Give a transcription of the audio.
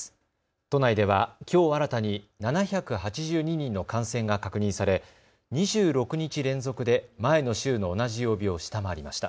都内ではきょう新たに７８２人の感染が確認され２６日連続で前の週の同じ曜日を下回りました。